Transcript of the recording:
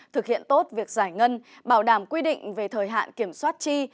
thực hiện tốt việc giải ngân bảo đảm quy định về thời hạn kiểm soát chi